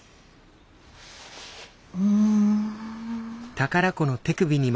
うん。